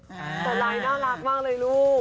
ตัวลายน่ารักมากเลยลูก